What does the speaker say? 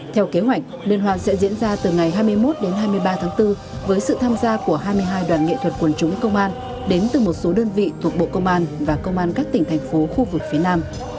theo kế hoạch liên hoan sẽ diễn ra từ ngày hai mươi một đến hai mươi ba tháng bốn với sự tham gia của hai mươi hai đoàn nghệ thuật quần chúng công an đến từ một số đơn vị thuộc bộ công an và công an các tỉnh thành phố khu vực phía nam